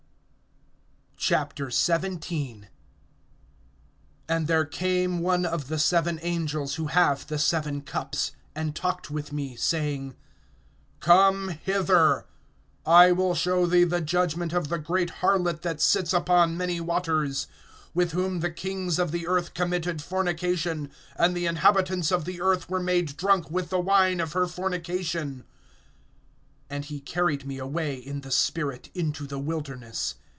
XVII. AND there came one of the seven angels who have the seven cups, and talked with me, saying: Come hither; I will show thee the judgment of the great harlot, that sits upon many waters; (2)with whom the kings of the earth committed fornication, and the inhabitants of the earth were made drunk with the wine of her fornication. (3)And he carried me away in the spirit into the wilderness.